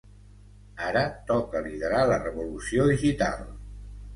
Ara toca liderar la revolució digital.